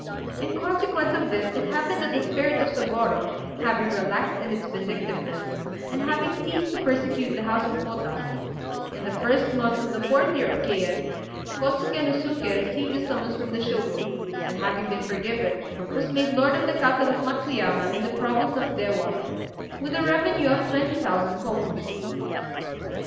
] In consequence of this it happened that the spirit of Sôgorô having relaxed in its vindictiveness, and having ceased to persecute the house of Hotta, in the 1st month of the 4th year of Keian, Kôtsuké no Suké received a summons from the Shogun, and, having been forgiven, was made lord of the castle of Matsuyama, in the province of Déwa, with a revenue of twenty thousand kokus.